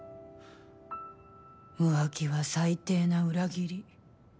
浮気は最低な裏切り。